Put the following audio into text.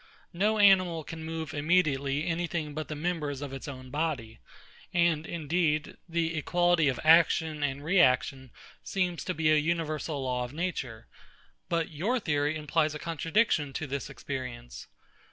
No animal can move immediately any thing but the members of its own body; and indeed, the equality of action and reaction seems to be an universal law of nature: But your theory implies a contradiction to this experience.